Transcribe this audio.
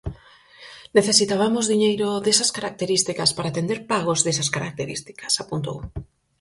"Necesitabamos diñeiro desas características para atender pagos desas características", apuntou.